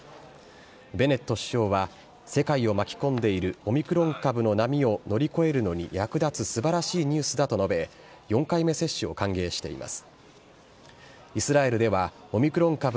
ベネット首相は、世界を巻き込んでいるオミクロン株の波を乗り越えるのに役立つすばらしいニュースだと述べ、４回目接種を歓迎しています。